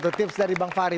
itu itu tips dari bang fahri